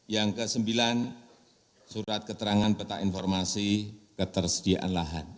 yang kesembilan surat keterangan peta informasi ketersediaan lahan